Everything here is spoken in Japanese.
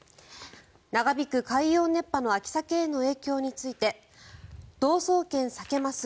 長引く海洋熱波の秋サケへの影響について道総研さけます